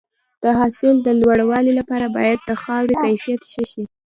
د حاصل د لوړوالي لپاره باید د خاورې کیفیت ښه شي.